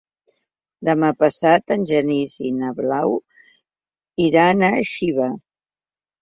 Demà passat en Genís i na Blau iran a Xiva.